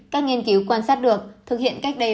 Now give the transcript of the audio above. các nghiên cứu quan sát được thực hiện cách đây